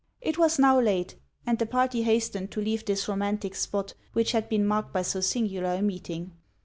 It was now late; and the party hastened to leave this romantic spot, which had been marked by so singular a meeting.